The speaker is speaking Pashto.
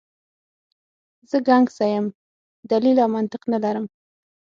زه ګنګسه یم، دلیل او منطق نه لرم.